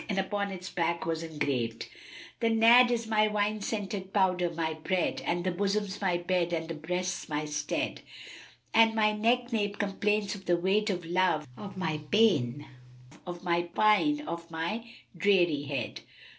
And upon its back was engraved, "The Nadd is my wine scented powder, my bread; * And the bosom's my bed and the breasts my stead: And my neck nape complains of the weight of love, * Of my pain, of my pine, of my drearihead."